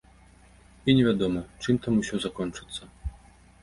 І невядома, чым там усё закончыцца.